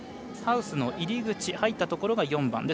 ハウスの入り口入ったところが４番。